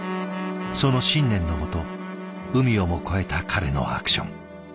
その信念のもと海をも越えた彼のアクション。